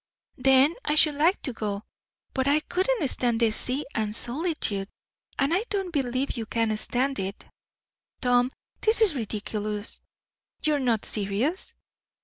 "Then I should like to go. But I couldn't stand the sea and solitude, and I don't believe you can stand it. Tom, this is ridiculous. You're not serious?"